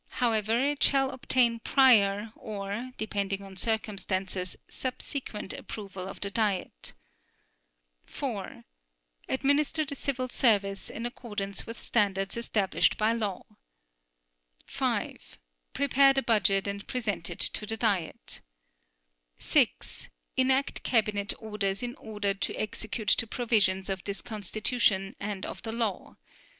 However, it shall obtain prior or, depending on circumstances, subsequent approval of the Diet; (iv) Administer the civil service, in accordance with standards established by law; (v) Prepare the budget, and present it to the Diet; (vi) Enact cabinet orders in order to execute the provisions of this Constitution and of the law.